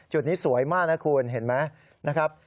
จุดนี้สวยมากนะคุณเห็นไหมนะครับ